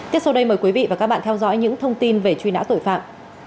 tiếp sau đây mời quý vị và các bạn theo dõi những thông tin về truy nã tội phạm